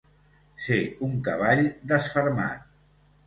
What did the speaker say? Ser un cavall desfermat.